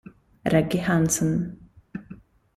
Reggie Hanson